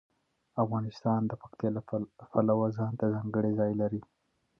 افغانستان د پکتیا د پلوه ځانته ځانګړتیا لري.